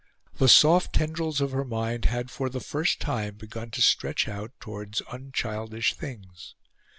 The soft tendrils of her mind had for the first time begun to stretch out towards unchildish things.